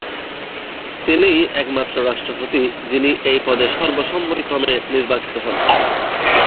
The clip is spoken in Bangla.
তিনিই একমাত্র রাষ্ট্রপতি যিনি এই পদে সর্বসম্মতিক্রমে নির্বাচিত হন।